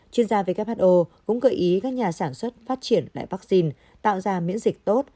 chuyên gia who cũng gợi ý các nhà sản xuất phát triển lại vaccine tạo ra miễn dịch tốt